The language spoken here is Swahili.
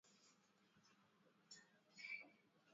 polepole kuwa nchi ya Kiislamu Katika karne ya